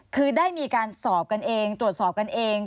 คือได้มีการสอบกันเองตรวจสอบกันเอง